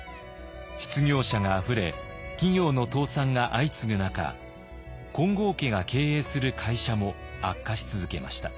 失業者があふれ企業の倒産が相次ぐ中金剛家が経営する会社も悪化し続けました。